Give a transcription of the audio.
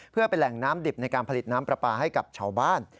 เพื่อเป็นแหล่งน้ำดิบในการผลิตน้ำปลาปลาให้กับชาวบ้าน